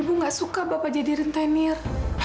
ibu gak suka bapak jadi rentenir